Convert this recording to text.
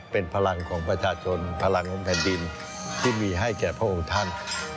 เป็นพลังของประชาชนพลังของแผ่นดินที่มีให้แก่พระองค์ท่าน